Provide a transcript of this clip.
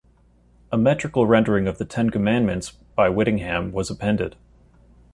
A metrical rendering of the Ten Commandments by Whittingham was appended.